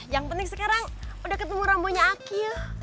yang penting sekarang udah ketemu rambunya aki